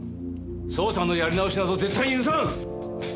捜査のやり直しなど絶対に許さん！